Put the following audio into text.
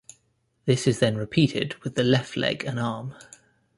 This is then repeated with the left leg and arm.